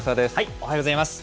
おはようございます。